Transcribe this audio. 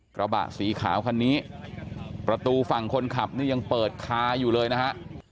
กระบะสีขาวคันนี้ประตูฝั่งคนขับนี่ยังเปิดคาอยู่เลยนะฮะ